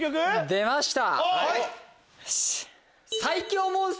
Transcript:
出ました！